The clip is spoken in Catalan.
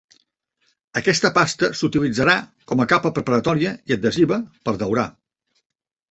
Aquesta pasta s'utilitzarà com a capa preparatòria, i adhesiva, per daurar.